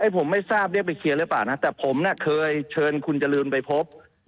ผมไม่ทราบเรียกไปเคลียร์หรือเปล่านะแต่ผมเคยเชิญคุณจรูนไปพบ